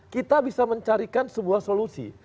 kita bisa mencarikan sebuah solusi